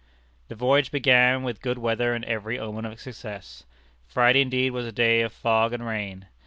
The voyage began with good weather and every omen of success. Friday, indeed, was a day of fog and rain.